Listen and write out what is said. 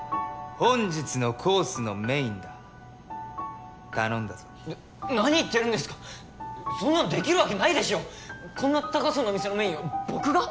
本日のコースのメインだ頼んだぞ何言ってるんですかそんなのできるわけないでしょうこんな高そうなお店のメインを僕が？